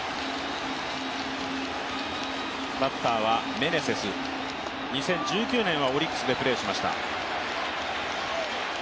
メネセス、２０１９年はオリックスでプレーしました。